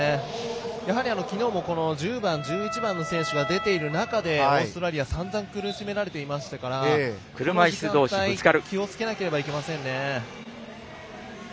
やはり、きのうも、この１０番１１番の選手が出ている中でオーストラリア散々苦しめられていましたからこの時間帯、気をつけなければいけませんね。